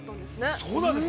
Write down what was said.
◆そうなんですね。